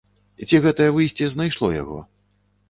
Ці гэтае выйсце знайшло яго?